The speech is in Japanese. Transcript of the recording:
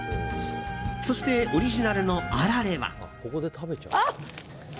そして、オリジナルのあられは？